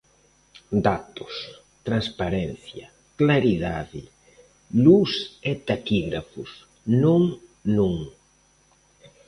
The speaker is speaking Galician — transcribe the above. Datos, transparencia, claridade, luz e taquígrafos, non, non.